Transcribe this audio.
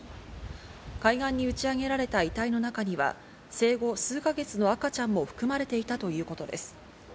海岸に打ち上げられた遺体の中には生後数か月の赤ちゃんも含まれていたということです。